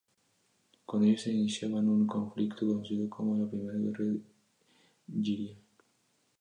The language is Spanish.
Con ello se iniciaba un conflicto conocido como la Primera Guerra Iliria.